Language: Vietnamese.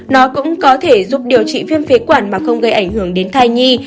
nó cũng có thể giúp điều trị viêm phế quản mà không gây ảnh hưởng đến thai nhi